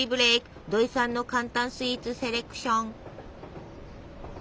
土井さんの簡単スイーツセレクション。